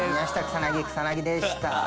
草薙でした。